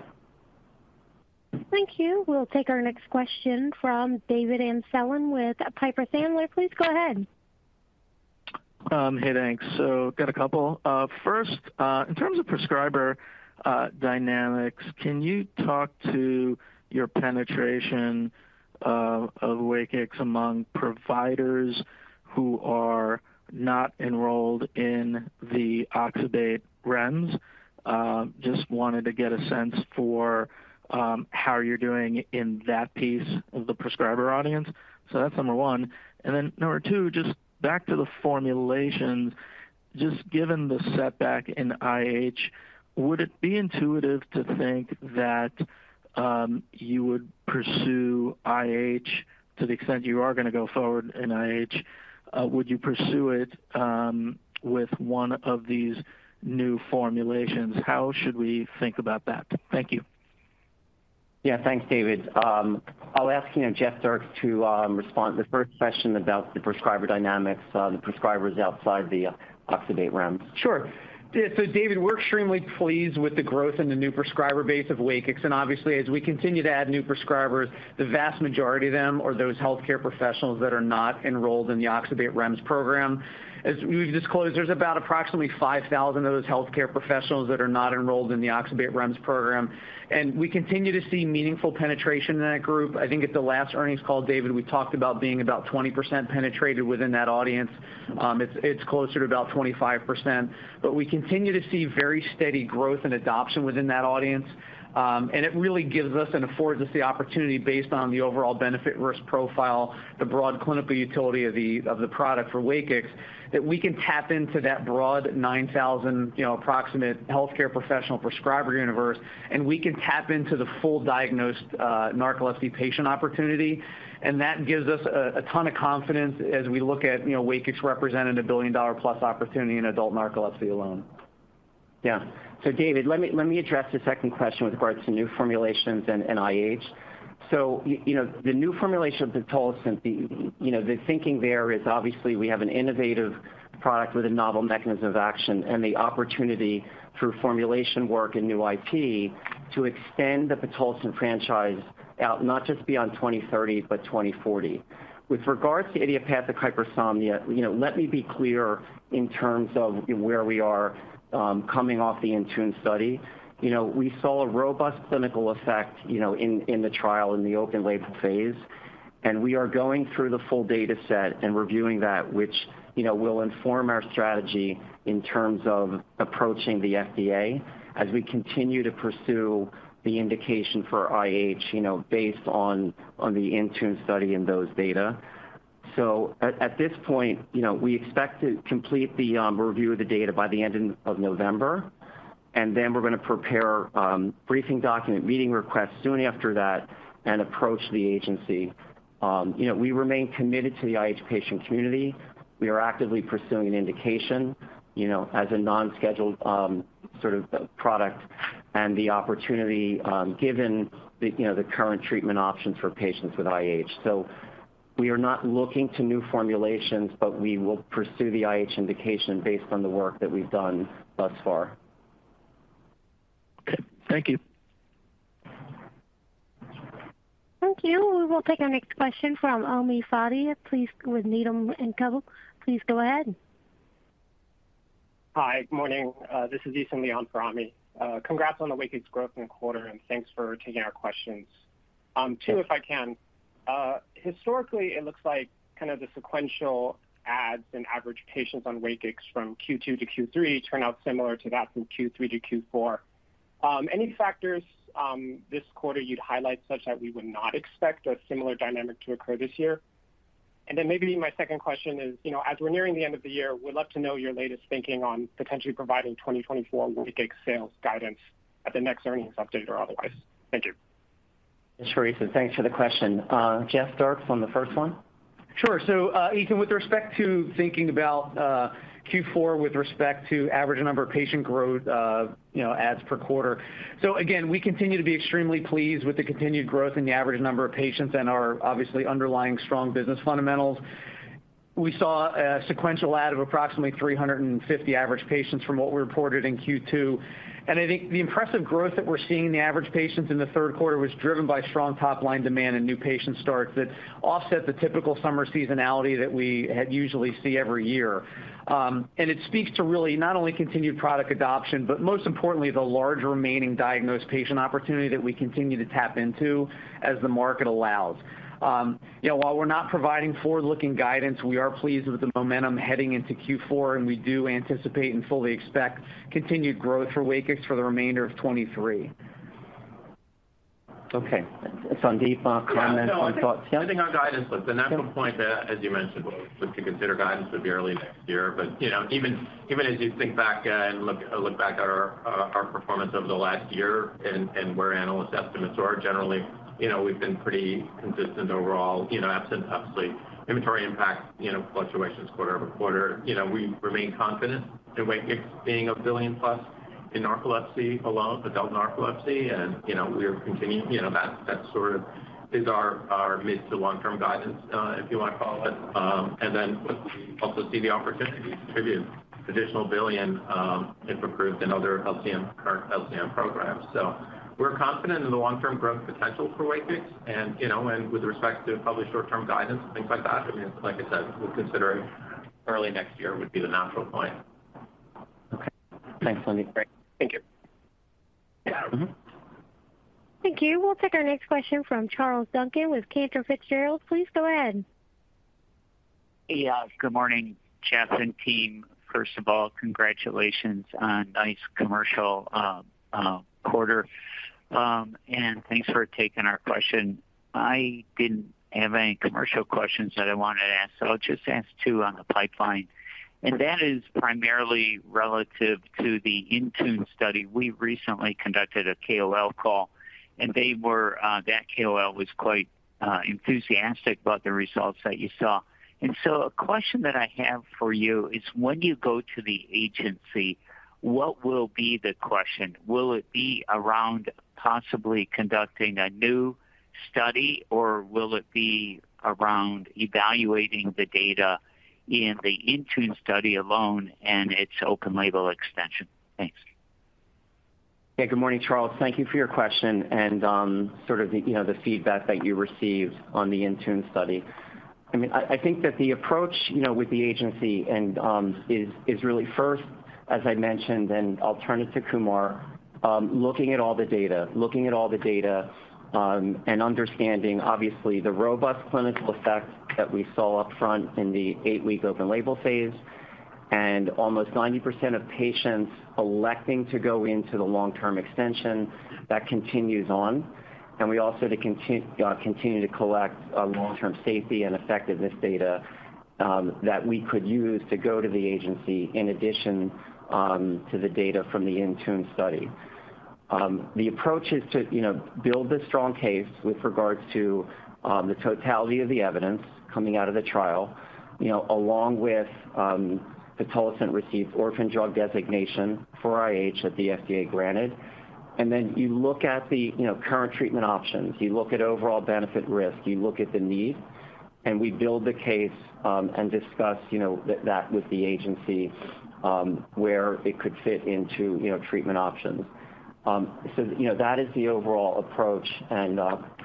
Thank you. We'll take our next question from David Amsellem with Piper Sandler. Please go ahead. Hey, thanks. So got a couple. First, in terms of prescriber dynamics, can you talk to your penetration of WAKIX among providers who are not enrolled in the Oxybate REMS? Just wanted to get a sense for how you're doing in that piece of the prescriber audience. So that's number one. Then number two, just back to the formulations. Just given the setback in IH, would it be intuitive to think that you would pursue IH to the extent you are going to go forward in IH? Would you pursue it with one of these new formulations? How should we think about that? Thank you. Yeah. Thanks, David. I'll ask, you know, Jeffrey Dierks to respond. The first question about the prescriber dynamics, the prescribers outside the Oxybate REMS. Sure. David, we're extremely pleased with the growth in the new prescriber base of WAKIX, and obviously, as we continue to add new prescribers, the vast majority of them are those healthcare professionals that are not enrolled in the Oxybate REMS program. As we've disclosed, there's about approximately 5,000 of those healthcare professionals that are not enrolled in the Oxybate REMS program, and we continue to see meaningful penetration in that group. I think at the last earnings call, David, we talked about being about 20% penetrated within that audience. It's closer to about 25%, but we continue to see very steady growth and adoption within that audience. It really gives us and affords us the opportunity based on the overall benefit risk profile, the broad clinical utility of the, of the product for WAKIX, that we can tap into that broad 9,000, you know, approximate healthcare professional prescriber universe, and we can tap into the full diagnosed narcolepsy patient opportunity. That gives us a, a ton of confidence as we look at, you know, WAKIX representing a billion-dollar-plus opportunity in adult narcolepsy alone. Yeah. So David, let me address the second question with regards to new formulations and IH. So you know, the new formulation of pitolisant, you know, the thinking there is obviously we have an innovative product with a novel mechanism of action and the opportunity through formulation work and new IP to extend the pitolisant franchise out, not just beyond 2030, but 2040. With regards to idiopathic hypersomnia, you know, let me be clear in terms of where we are, coming off the INTUNE study. You know, we saw a robust clinical effect, you know, in the trial, in the open label phase, and we are going through the full data set and reviewing that, which, you know, will inform our strategy in terms of approaching the FDA as we continue to pursue the indication for IH, you know, based on the INTUNE study and those data. So at this point, you know, we expect to complete the review of the data by the end of November, and then we're going to prepare briefing document, meeting requests soon after that and approach the agency. You know, we remain committed to the IH patient community. We are actively pursuing an indication, you know, as a non-scheduled product and the opportunity, given the you know, the current treatment options for patients with IH. We are not looking to new formulations, but we will pursue the IH indication based on the work that we've done thus far. Okay. Thank you. Thank you. We will take our next question from Ami Fadia, please, with Needham & Company. Please go ahead. Hi. Good morning. This is Ethan on for Ami. Congrats on the WAKIX growth in the quarter, and thanks for taking our questions. Two, if I can. Historically, it looks like the sequential adds and average patients on WAKIX from Q2 to Q3 turn out similar to that from Q3 to Q4. Any factors, this quarter you'd highlight, such that we would not expect a similar dynamic to occur this year? Then maybe my second question is, you know, as we're nearing the end of the year, we'd love to know your latest thinking on potentially providing 2024 WAKIX sales guidance at the next earnings update or otherwise. Thank you. Thanks for Ethan. Thanks for the question. Jeff, start from the first one. Sure. So, Ethan, with respect to thinking about Q4 with respect to average number of patient growth, you know, adds per quarter. So again, we continue to be extremely pleased with the continued growth in the average number of patients and our obviously underlying strong business fundamentals. We saw a sequential add of approximately 350 average patients from what we reported in Q2. I think the impressive growth that we're seeing in the average patients in the Q3 was driven by strong top-line demand and new patient starts that offset the typical summer seasonality that we had usually see every year. It speaks to really not only continued product adoption, but most importantly, the large remaining diagnosed patient opportunity that we continue to tap into as the market allows. You know, while we're not providing forward-looking guidance, we are pleased with the momentum heading into Q4, and we do anticipate and fully expect continued growth for WAKIX for the remainder of 2023. Okay. Sandip, comments or thoughts? Yeah. No, I think on guidance, look, the natural point that, as you mentioned, we look to consider guidance in early next year. You know, even as you think back, and look back at our performance over the last year and where analyst estimates are generally, you know, we've been pretty consistent overall, you know, absent, obviously, inventory impact, you know, fluctuations quarter over quarter. You know, we remain confident in WAKIX being $1 billion-plus in narcolepsy alone, adult narcolepsy, and, you know, we are continuing. You know, that is our mid to long-term guidance, if you want to call it. Then we also see the opportunity to contribute an additional $1 billion, if approved in other LCM, current LCM programs. So we're confident in the long-term growth potential for WAKIX and, you know, and with respect to probably short-term guidance and things like that, I mean, like I said, we're considering early next year would be the natural point. Okay. Thanks, Sandip. Great. Thank you. Yeah. Mm-hmm. Thank you. We'll take our next question from Charles Duncan with Cantor Fitzgerald. Please go ahead. Yeah. Good morning, Jeff and team. First of all, congratulations on nice commercial quarter. Thanks for taking our question. I didn't have any commercial questions that I wanted to ask, so I'll just ask two on the pipeline, and that is primarily relative to the INTUNE study. We recently conducted a KOL call, and they were. That KOL was quite enthusiastic about the results that you saw. So a question that I have for you is, when you go to the agency, what will be the question? Will it be around possibly conducting a new study, or will it be around evaluating the data in the INTUNE study alone and its open-label extension? Thanks. Yeah. Good morning, Charles. Thank you for your question and, the, you know, the feedback that you received on the INTUNE study. I mean, I think that the approach, you know, with the agency and, is really first, as I mentioned, and I'll turn it to Kumar, looking at all the data. Looking at all the data, and understanding, obviously, the robust clinical effect that we saw up front in the 8-week open label phase, and almost 90% of patients electing to go into the long-term extension that continues on. We also continue to collect, long-term safety and effectiveness data, that we could use to go to the agency in addition, to the data from the INTUNE study. The approach is to, you know, build a strong case with regards to the totality of the evidence coming out of the trial, you know, along with the pitolisant received Orphan Drug Designation for IH that the FDA granted. Then you look at the, you know, current treatment options, you look at overall benefit risk, you look at the need, and we build the case and discuss, you know, that, that with the agency, where it could fit into, you know, treatment options. So, you know, that is the overall approach.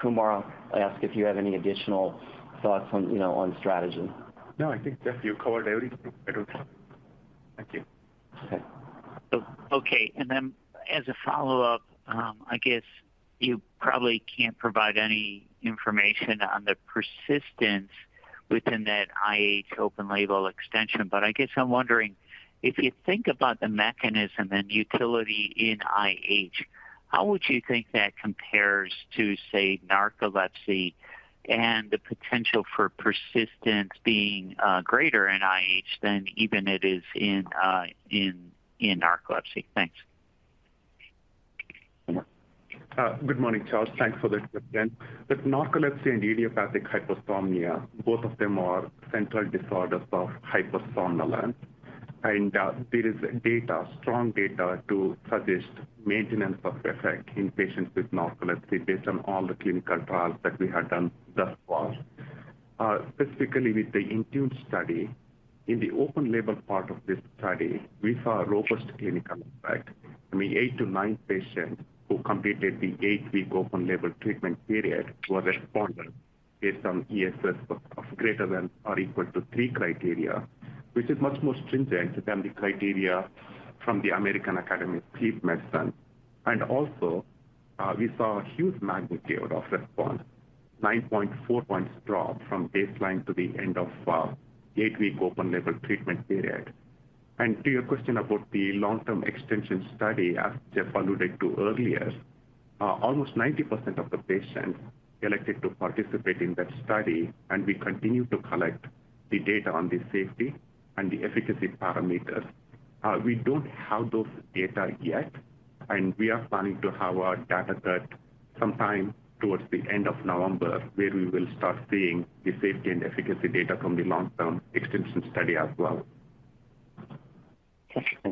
Kumar, I ask if you have any additional thoughts on, you know, on strategy. No, I think, Jeff, you covered everything. Thank you. Okay. So, okay. Then as a follow-up, I guess you probably can't provide any information on the persistence within that IH open label extension. I guess I'm wondering, if you think about the mechanism and utility in IH, how would you think that compares to, say, narcolepsy and the potential for persistence being greater in IH than even it is in narcolepsy? Thanks. Kumar? Good morning, Charles. Thanks for the question. With narcolepsy and idiopathic hypersomnia, both of them are central disorders of hypersomnolence, and there is data, strong data to suggest maintenance of effect in patients with narcolepsy based on all the clinical trials that we have done thus far. Specifically with the INTUNE study, in the open label part of this study, we saw a robust clinical effect. I mean, 8-9 patients who completed the 8-week open label treatment period were responders based on ESS of greater than or equal to 3 criteria, which is much more stringent than the criteria from the American Academy of Sleep Medicine. Also, we saw a huge magnitude of response, 9.4 points drop from baseline to the end of the 8-week open label treatment period. To your question about the long-term extension study, as Jeff alluded to earlier, almost 90% of the patients elected to participate in that study, and we continue to collect the data on the safety and the efficacy parameters. We don't have those data yet, and we are planning to have our data set sometime towards the end of November, where we will start seeing the safety and efficacy data from the long-term extension study as well.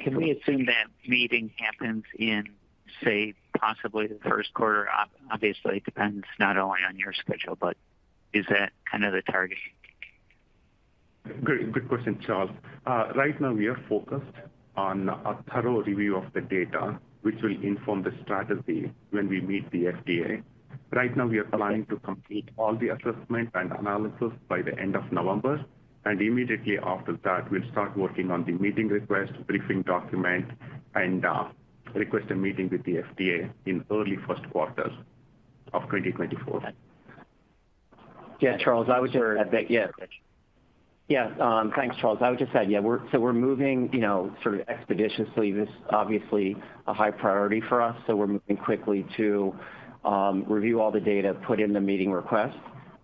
Can we assume that meeting happens in, say, possibly the Q1? Obviously, it depends not only on your schedule, but is that the target? Good, good question, Charles. Right now we are focused on a thorough review of the data, which will inform the strategy when we meet the FDA. Right now, we are planning to complete all the assessment and analysis by the end of November, and immediately after that, we'll start working on the meeting request, briefing document, and request a meeting with the FDA in early Q1 of 2024. Yeah, Charles, I would just- Sure. Yeah. Thanks, Charles. I would just add, yeah, we're moving, you know, expeditiously. This is obviously a high priority for us, so we're moving quickly to review all the data, put in the meeting request,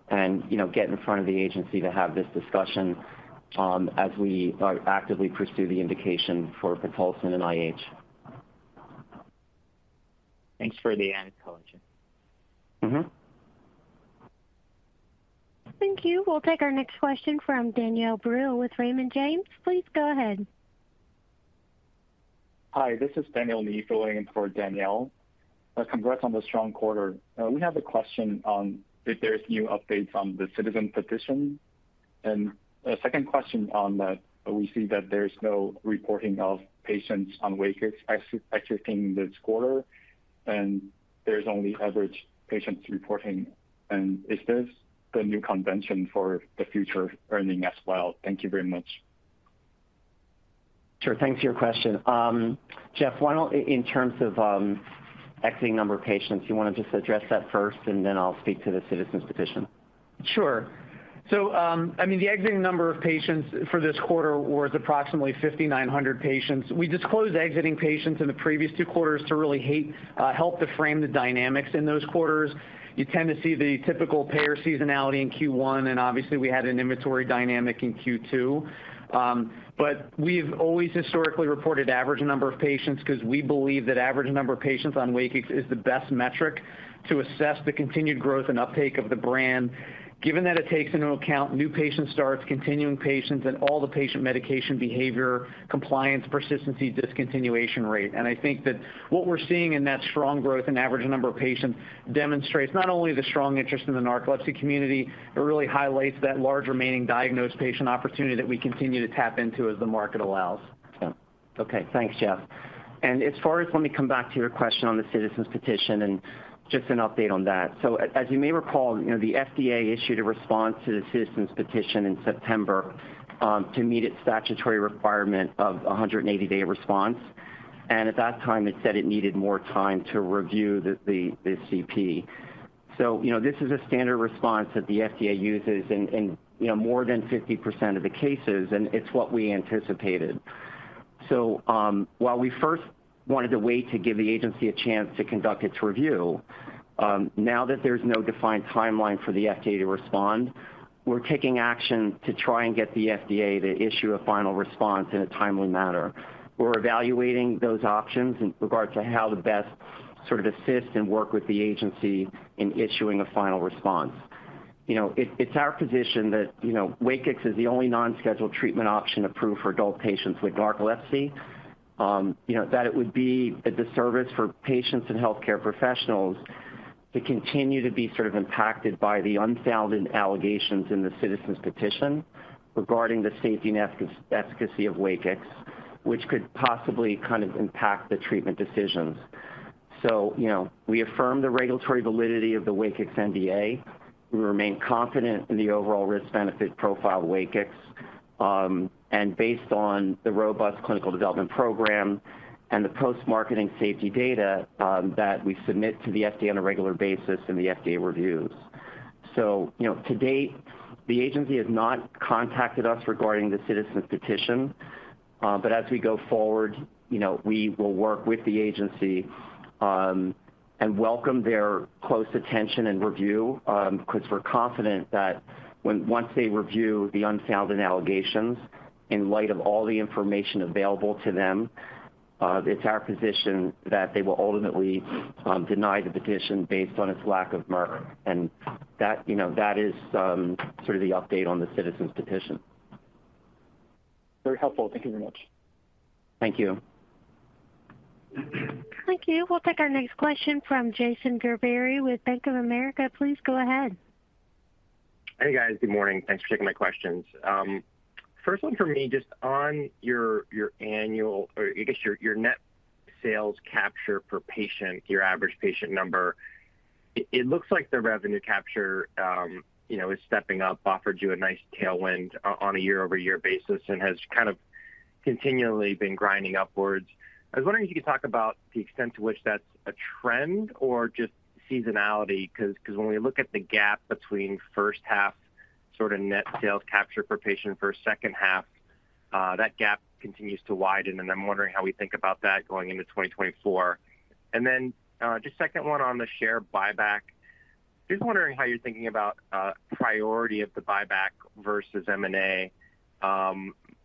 and, you know, get in front of the agency to have this discussion, as we are actively pursue the indication for pitolisant and IH. Thanks for the answer, Kumar. Mm-hmm. Thank you. We'll take our next question from Danielle Brill with Raymond James. Please go ahead. Hi, this is Daniel Lee filling in for Danielle. Congrats on the strong quarter. We have a question on if there's new updates on the Citizens Petition. A second question on that, we see that there's no reporting of patients on WAKIX exiting this quarter, and there's only average patients reporting. Is this the new convention for the future earnings as well? Thank you very much. Sure. Thanks for your question. Jeff, why don't, in terms of, exiting number of patients, you want to just address that first, and then I'll speak to the Citizens Petition? Sure. So, I mean, the exiting number of patients for this quarter was approximately 5,900 patients. We disclosed exiting patients in the previous two quarters to really help to frame the dynamics in those quarters. You tend to see the typical payer seasonality in Q1, and obviously, we had an inventory dynamic in Q2. We've always historically reported average number of patients because we believe that average number of patients on WAKIX is the best metric to assess the continued growth and uptake of the brand, given that it takes into account new patient starts, continuing patients, and all the patient medication behavior, compliance, persistency, discontinuation rate. I think that what we're seeing in that strong growth in average number of patients demonstrates not only the strong interest in the narcolepsy community, it really highlights that large remaining diagnosed patient opportunity that we continue to tap into as the market allows. Yeah. Okay, thanks, Jeff. As far as, let me come back to your question on the Citizens Petition and just an update on that. So as you may recall, you know, the FDA issued a response to the Citizens Petition in September to meet its statutory requirement of a 180-day response. At that time, it said it needed more time to review the CP. So, you know, this is a standard response that the FDA uses in more than 50% of the cases, and it's what we anticipated. So while we first wanted to wait to give the agency a chance to conduct its review, now that there's no defined timeline for the FDA to respond, we're taking action to try and get the FDA to issue a final response in a timely manner. We're evaluating those options in regard to how to best assist and work with the agency in issuing a final response. You know, it's our position that, you know, WAKIX is the only non-scheduled treatment option approved for adult patients with narcolepsy. You know, that it would be a disservice for patients and healthcare professionals to continue to be impacted by the unfounded allegations in the Citizens Petition regarding the safety and efficacy of WAKIX, which could possibly impact the treatment decisions. So, you know, we affirm the regulatory validity of the WAKIX NDA. We remain confident in the overall risk-benefit profile of WAKIX, and based on the robust clinical development program and the post-marketing safety data, that we submit to the FDA on a regular basis and the FDA reviews. So, you know, to date, the agency has not contacted us regarding the Citizens Petition, but as we go forward, you know, we will work with the agency, and welcome their close attention and review, because we're confident that when once they review the unfounded allegations in light of all the information available to them, it's our position that they will ultimately deny the petition based on its lack of merit. That, you know, that is the update on the Citizens Petition. Very helpful. Thank you very much. Thank you. Thank you. We'll take our next question from Jason Gerberry, with Bank of America. Please go ahead. Hey, guys. Good morning. Thanks for taking my questions. First one for me, just on your annual or I guess your net sales capture per patient, your average patient number. It looks like the revenue capture, you know, is stepping up, offered you a nice tailwind on a year-over-year basis and has continually been grinding upwards. I was wondering if you could talk about the extent to which that's a trend or just seasonality? Cause when we look at the gap between H1 net sales capture per patient versus H2, that gap continues to widen, and I'm wondering how we think about that going into 2024. Then, just second one on the share buyback. Just wondering how you're thinking about priority of the buyback versus M&A.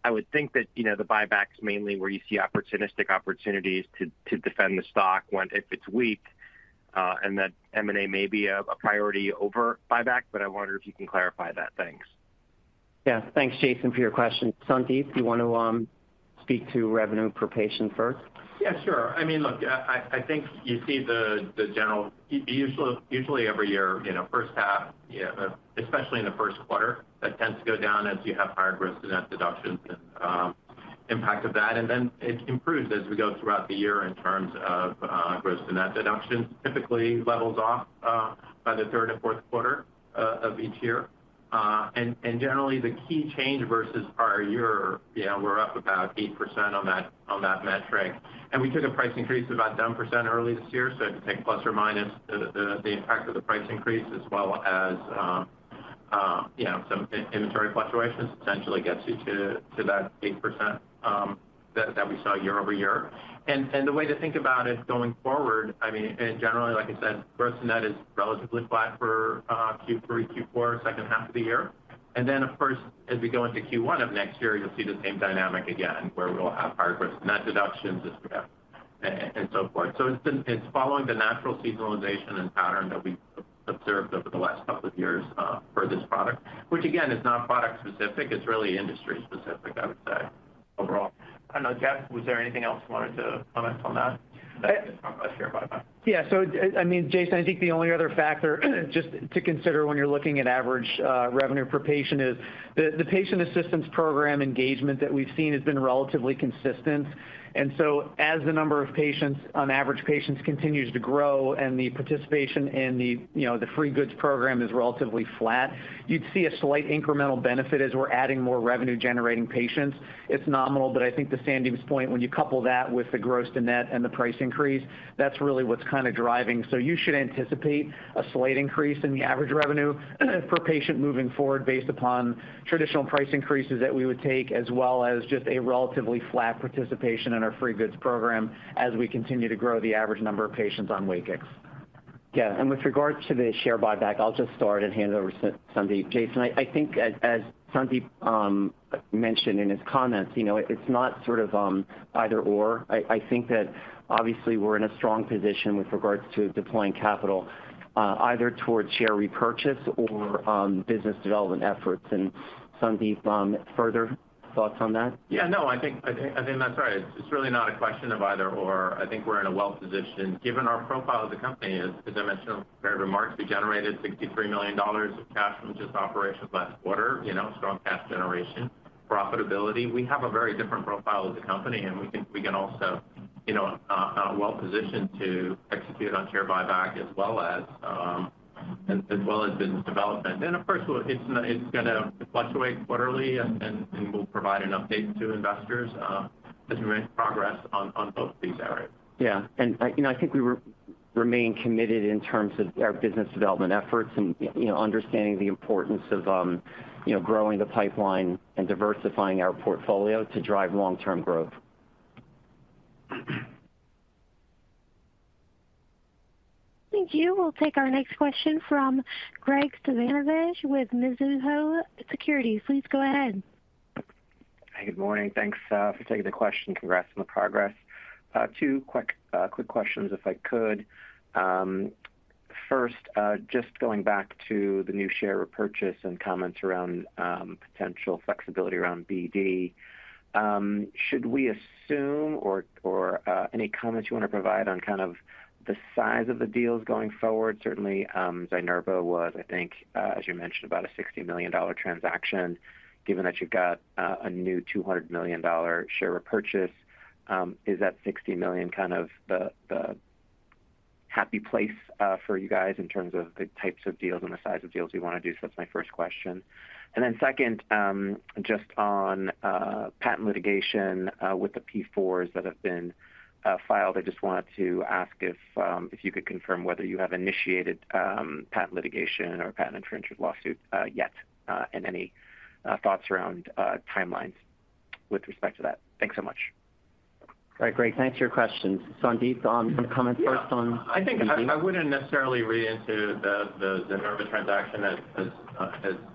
I would think that, you know, the buyback's mainly where you see opportunistic opportunities to defend the stock when, if it's weak, and that M&A may be a priority over buyback, but I wonder if you can clarify that. Thanks. Yeah. Thanks, Jason, for your question. Sandip, do you want to speak to revenue per patient first? Yeah, sure. Look, I think you see the general, usually every year, you know, H1, yeah, especially in the Q1, that tends to go down as you have higher gross to net deductions and impact of that. Then it improves as we go throughout the year in terms of gross to net deductions. Typically, levels off by the third and fourth quarter of each year. Generally, the key change versus prior year, yeah, we're up about 8% on that metric. We took a price increase about 10% early this year, so take plus or minus the impact of the price increase as well as you know, some inventory fluctuations essentially gets you to that 8% that we saw year-over-year. The way to think about it going forward, I mean, and generally, like I said, gross to net is relatively flat for Q3, Q4, H2 of the year. Then, of course, as we go into Q1 of next year, you'll see the same dynamic again, where we'll have higher gross to net deductions as well and so forth. So it's been. It's following the natural seasonality and pattern that we've observed over the last couple of years for this product, which, again, is not product specific. It's really industry specific, I would say, overall. I don't know, Jeff, was there anything else you wanted to comment on that? Talk about share buyback. Yeah. So, Jason, I think the only other factor, just to consider when you're looking at average revenue per patient is the patient assistance program engagement that we've seen has been relatively consistent. So as the number of patients, on average patients, continues to grow and the participation in the, you know, the free goods program is relatively flat, you'd see a slight incremental benefit as we're adding more revenue-generating patients. It's nominal, but I think to Sandip's point, when you couple that with the gross to net and the price increase, that's really what's driving. You should anticipate a slight increase in the average revenue, per patient moving forward based upon traditional price increases that we would take, as well as just a relatively flat participation in our free goods program as we continue to grow the average number of patients on WAKIX. Yeah, and with regards to the share buyback, I'll just start and hand it over to Sandip. Jason, I think as Sandip mentioned in his comments, you know, it's not either/or. I think that obviously we're in a strong position with regards to deploying capital, either towards share repurchase or business development efforts. Sandip, further thoughts on that? Yeah. No, I think that's right. It's really not a question of either/or. I think we're in a well positioned, given our profile of the company, as I mentioned in my remarks, we generated $63 million of cash from just operations last quarter, you know, strong cash generation, profitability. We have a very different profile as a company, and we think we can also, you know, well positioned to execute on share buyback as well as business development. Of course, it's gonna fluctuate quarterly, and we'll provide an update to investors, as we make progress on both of these areas. Yeah. You know, I think we remain committed in terms of our business development efforts and, you know, understanding the importance of, you know, growing the pipeline and diversifying our portfolio to drive long-term growth. Thank you. We'll take our next question from Greg Suvannavejh with Mizuho Securities. Please go ahead. Hi, good morning. Thanks for taking the question. Congrats on the progress. Two quick questions, if I could. First, just going back to the new share repurchase and comments around potential flexibility around BD. Should we assume or any comments you want to provide on the size of the deals going forward? Certainly, Zynerba was, I think, as you mentioned, about a $60 million transaction. Given that you've got a new $200 million share repurchase, is that $60 million the happy place for you guys in terms of the types of deals and the size of deals you want to do? So that's my first question. Then second, just on patent litigation with the P4s that have been filed. I just wanted to ask if you could confirm whether you have initiated patent litigation or patent infringement lawsuits yet, and any thoughts around timelines with respect to that? Thanks so much. All right, Greg, thanks for your questions. Sandip, you want to comment first on- Yeah, I think I wouldn't necessarily read into the Zynerba transaction as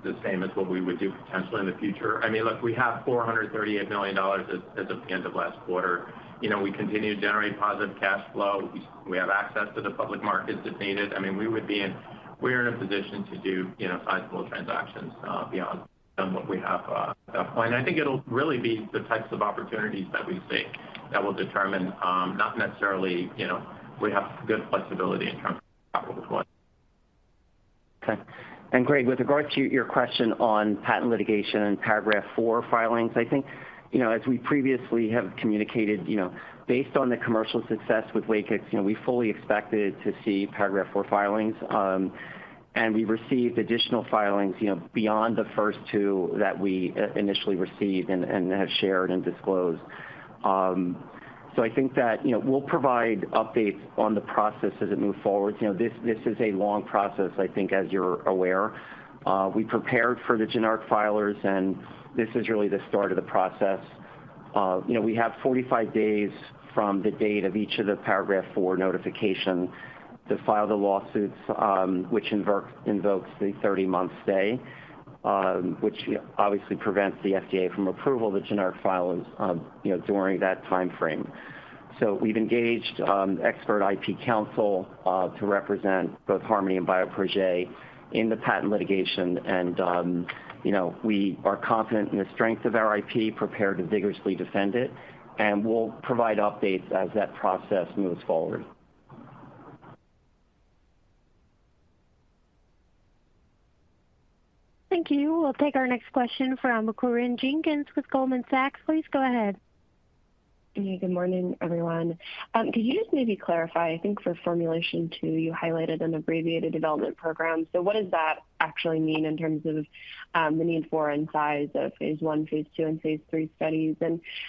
the same as what we would do potentially in the future. I mean, look, we have $438 million as of the end of last quarter. You know, we continue to generate positive cash flow. We have access to the public markets, if needed. I mean, we're in a position to do, you know, sizable transactions beyond what we have defined. I think it'll really be the types of opportunities that we see that will determine, not necessarily, you know, we have good flexibility in terms of capital deployment. Okay. Greg, with regards to your question on patent litigation and Paragraph IV filings, I think, you know, as we previously have communicated, you know, based on the commercial success with WAKIX, you know, we fully expected to see Paragraph IV filings. We've received additional filings, you know, beyond the first two that we initially received and have shared and disclosed. So I think that, you know, we'll provide updates on the process as it moves forward. You know, this is a long process, I think, as you're aware. We prepared for the generic filers, and this is really the start of the process. We have 45 days from the date of each of the Paragraph IV notification to file the lawsuits, which invokes the 30-month stay, which obviously prevents the FDA from approving the generic filers, you know, during that timeframe. So we've engaged expert IP counsel to represent both Harmony and Bioprojet in the patent litigation. You know, we are confident in the strength of our IP, prepared to vigorously defend it, and we'll provide updates as that process moves forward. Thank you. We'll take our next question from Corinne Jenkins with Goldman Sachs. Please go ahead. Good morning, everyone. Could you just maybe clarify, I think for Formulation 2, you highlighted an abbreviated development program. So what does that actually mean in terms of the need for and size of phase I, phase II, and phase III studies?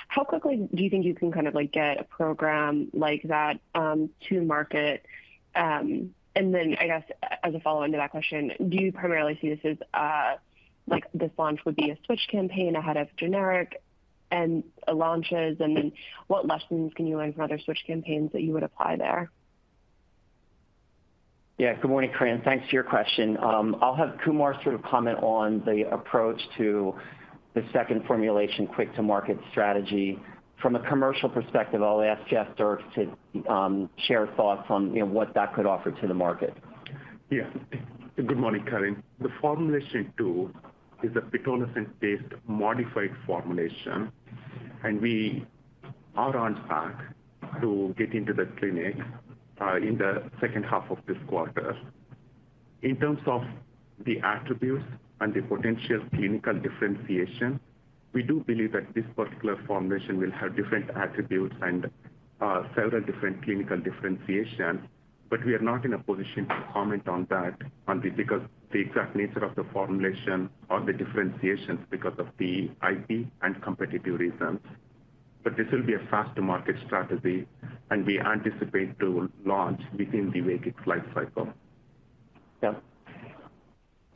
How quickly do you think you can get a program like that to market? Then, I guess, as a follow-on to that question, do you primarily see this as like, this launch would be a switch campaign ahead of generic and launches? Then what lessons can you learn from other switch campaigns that you would apply there? Yeah. Good morning, Corinne. Thanks for your question. I'll have Kumar comment on the approach to the second formulation, quick to market strategy. From a commercial perspective, I'll ask Jeff Dierks to share thoughts on, you know, what that could offer to the market. Yeah. Good morning, Corinne. The Formulation 2 is a pitolisant-based modified formulation, and we are on track to get into the clinic in the H2 of this quarter. In terms of the attributes and the potential clinical differentiation, we do believe that this particular formulation will have different attributes and several different clinical differentiation. We are not in a position to comment on that because the exact nature of the formulation or the differentiations because of the IP and competitive reasons. This will be a fast-to-market strategy, and we anticipate to launch within the WAKIX life cycle. Yeah,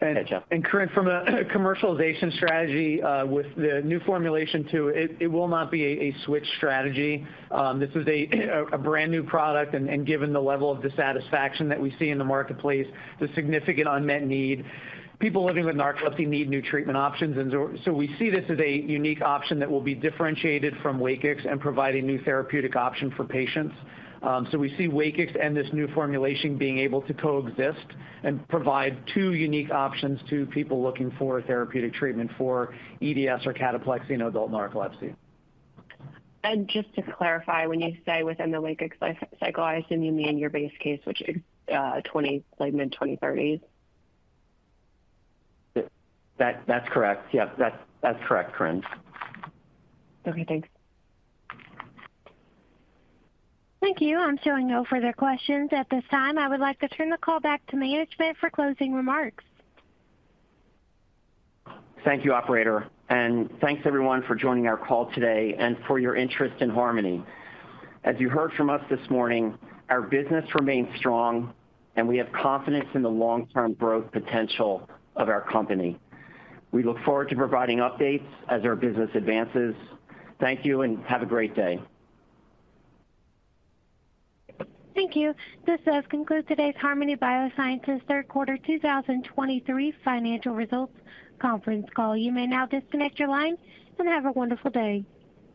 and Jeff? Corinne, from a commercialization strategy, with the new formulation to it, it will not be a switch strategy. This is a brand-new product, and given the level of dissatisfaction that we see in the marketplace, the significant unmet need, people living with narcolepsy need new treatment options. So we see this as a unique option that will be differentiated from WAKIX and providing new therapeutic option for patients. So we see WAKIX and this new formulation being able to coexist and provide two unique options to people looking for a therapeutic treatment for EDS or cataplexy in adult narcolepsy. Just to clarify, when you say within the WAKIX life cycle, I assume you mean your base case, which is, like mid-2030s? That, that's correct. Yep, that's correct, Corinne. Okay, thanks. Thank you. I'm showing no further questions at this time. I would like to turn the call back to management for closing remarks. Thank you, operator, and thanks everyone for joining our call today and for your interest in Harmony. As you heard from us this morning, our business remains strong, and we have confidence in the long-term growth potential of our company. We look forward to providing updates as our business advances. Thank you, and have a great day. Thank you. This does conclude today's Harmony Biosciences Q3 2023 Financial Results Conference Call. You may now disconnect your lines, and have a wonderful day.